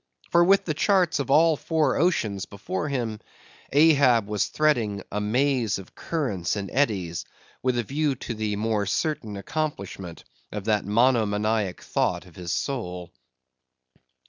For with the charts of all four oceans before him, Ahab was threading a maze of currents and eddies, with a view to the more certain accomplishment of that monomaniac thought of his soul.